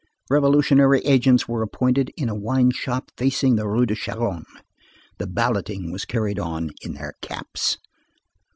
Revolutionary agents were appointed in a wine shop facing the Rue de Charonne. The balloting was carried on in their caps.